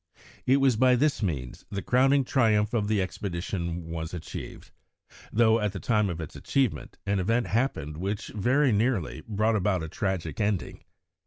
It was by this means the crowning triumph of the expedition was achieved, though at the time of its achievement an event happened which very nearly brought about a tragic ending.